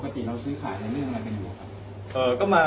ปกติเราช่วยสาธารณ์อย่างไรอยู่หรอครับ